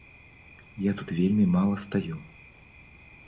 Я тут вельмі мала стаю.